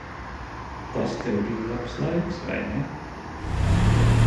Tas tev bija labs laiks, vai ne?